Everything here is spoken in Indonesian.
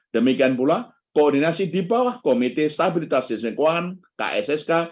demikian pula koordinasi di bawah komite stabilitas sistem keuangan kssk